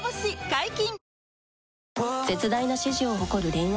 解禁‼